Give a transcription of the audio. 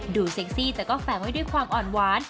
เซ็กซี่แต่ก็แฝงไว้ด้วยความอ่อนหวาน